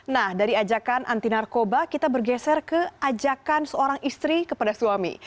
nah dari ajakan anti narkoba kita bergeser ke ajakan seorang istri kepada suami